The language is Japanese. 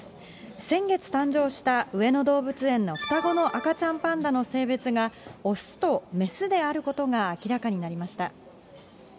先月誕生した上野動物園の双子の赤ちゃんパンダの性別が雄と雌であることが明らかになりました。